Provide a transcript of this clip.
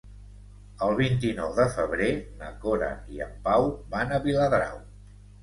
El vint-i-nou de febrer na Cora i en Pau van a Viladrau.